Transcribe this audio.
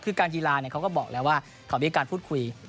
คือการกีฬาเขาก็บอกแล้วว่าเขามีการพูดคุย